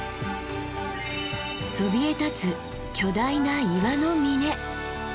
そびえ立つ巨大な岩の峰。